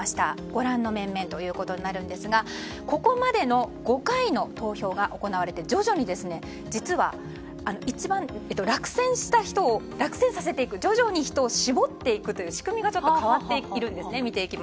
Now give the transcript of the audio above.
ご覧の面々になるんですがここまでの５回の投票が行われて徐々に人を落選させていく人を絞っていくという、仕組みが変わっているんですね。